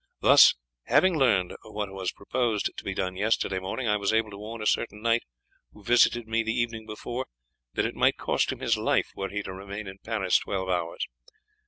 Thus, having learned what was proposed to be done yesterday morning, I was able to warn a certain knight who visited me the evening before that it might cost him his life were he to remain in Paris twelve hours.